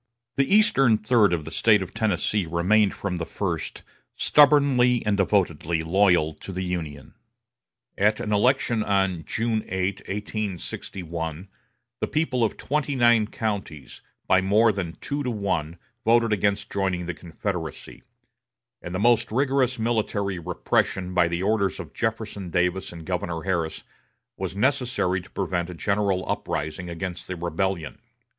The eastern third of the State of Tennessee remained from the first stubbornly and devotedly loyal to the Union. At an election on June 8, 1861, the people of twenty nine counties, by more than two to one, voted against joining the Confederacy; and the most rigorous military repression by the orders of Jefferson Davis and Governor Harris was necessary to prevent a general uprising against the rebellion.